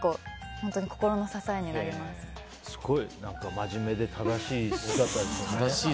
真面目で正しい姿ですね。